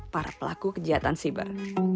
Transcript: para pelaku kejahatan siber